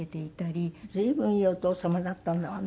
随分いいお父様だったんだわね。